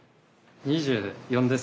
２４です。